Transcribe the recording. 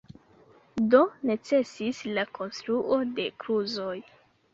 Do necesis la konstruo de kluzoj.